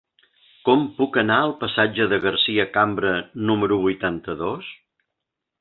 Com puc anar al passatge de Garcia Cambra número vuitanta-dos?